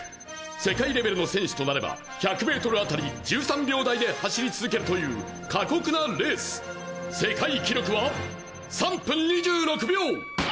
「世界レベルの選手となれば１００メートルあたり１３秒台で走り続けるという過酷なレース」「世界記録は３分２６秒！」